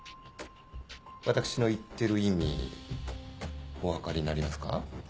私の言ってる意味お分かりになりますか？